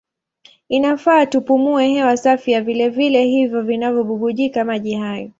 Inafaa tupumue hewa safi ya vilele hivyo vinavyobubujika maji hai.